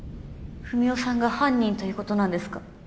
文雄さんが犯人ということなんですか。